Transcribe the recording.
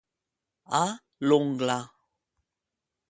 A l'ungla.